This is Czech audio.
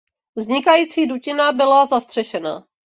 Vznikající dutina byla zastřešena.